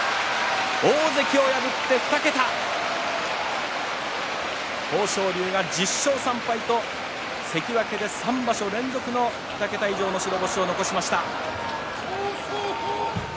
大関を破って２桁豊昇龍が１０勝３敗と関脇で３場所連続の２桁以上の白星を残しました。